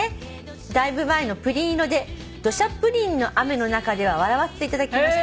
「だいぶ前のプリン色でどしゃプリンの雨の中では笑わせていただきました」